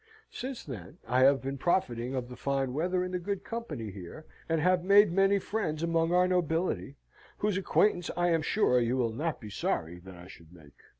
Since then I have been profiting of the fine weather and the good company here, and have made many friends among our nobility, whose acquaintance I am sure you will not be sorry that I should make.